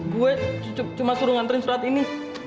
gue cuma suruh nganterin surat ini